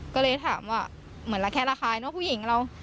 ก็เลยถามว่าเหมือนระแคะระคายเนอะผู้หญิงเรา